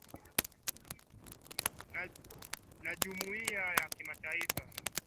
na jumuiya ya kimataifa imekuwa ikifanya jitihada mbalimbali